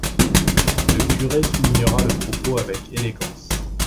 Le curé soulignera le propos avec élégance.